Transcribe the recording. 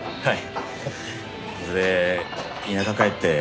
はい。